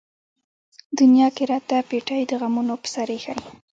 دنيا کۀ راته پېټے د غمونو پۀ سر اېښے